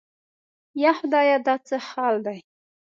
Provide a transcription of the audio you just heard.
یا خدایه دا څه حال دی؟